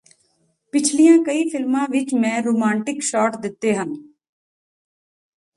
ਪਿਛਲੀਆਂ ਕਈ ਫਿਲਮਾਂ ਵਿਚ ਮੈਂ ਰੋਮਾਂਟਿਕ ਸ਼ਾਟ ਦਿੱਤੇ ਹਨ